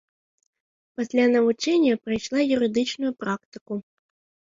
Пасля навучэння прайшла юрыдычную практыку.